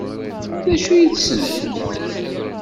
D acu i tessnemt?